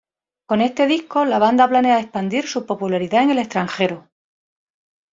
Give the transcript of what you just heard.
Con este disco la banda planea expandir su popularidad en el extranjero.